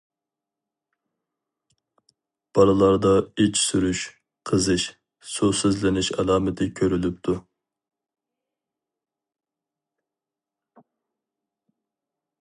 بالىلاردا ئىچ سۈرۈش، قىزىش، سۇسىزلىنىش ئالامىتى كۆرۈلۈپتۇ.